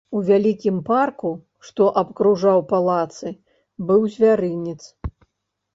У вялікім парку, што абкружаў палацы, быў звярынец.